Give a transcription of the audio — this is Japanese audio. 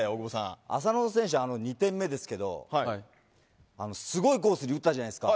浅野選手の２点目ですけどすごいコースに打ったじゃないですか。